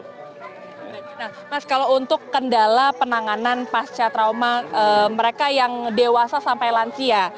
mas kalau untuk kendala penanganan pasca trauma mereka yang dewasa sampai lansia mas kalau untuk kendala penanganan pasca trauma mereka yang dewasa sampai lansia